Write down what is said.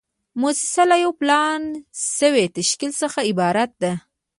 موسسه له یو پلان شوي تشکیل څخه عبارت ده.